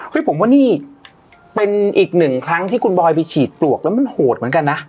ผมว่านี่เป็นอีกหนึ่งครั้งที่คุณบอยไปฉีดปลวกแล้วมันโหดเหมือนกันนะ